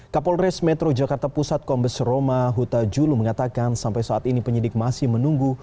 kapolres metro jakarta pusat kombes roma huta julu mengatakan sampai saat ini penyidik masih menunggu